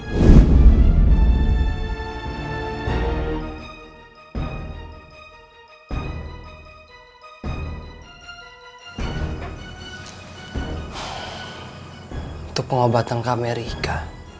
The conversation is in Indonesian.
untuk pengobatan ke amerika